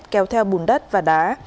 kéo theo bùn đất và đá